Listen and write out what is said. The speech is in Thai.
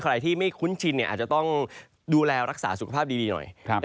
ใครที่ไม่คุ้นชินอาจจะต้องดูแลรักษาสุขภาพดีหน่อย